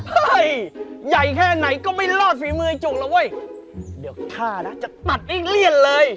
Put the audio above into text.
เฮ้ยใหญ่แค่ไหนก็ไม่รอดฝีมือไอ้จุ๊กล่ะเว้ยเดี๋ยวข้านะจะตัดอีกเลี่ยนเลย